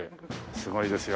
すごいですよ。